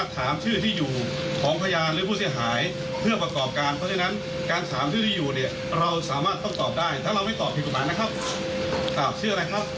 เขาไม่ตอบชื่อ